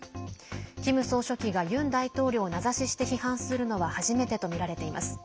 キム総書記がユン大統領を名指しして批判するのは初めてとみられています。